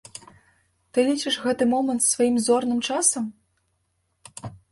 Ты лічыш гэты момант сваім зорным часам?